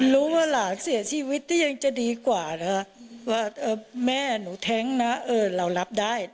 รู้ว่าหลานเสียชีวิตก็ยังจะดีกว่านะว่าแม่หนูแท้งนะเรารับได้